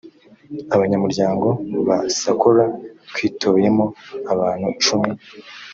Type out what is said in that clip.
abanyamuryango ba sacola twitoyemo abantu cumi